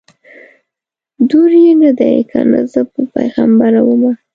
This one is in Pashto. دور یې نه دی کنه زه به پیغمبره ومه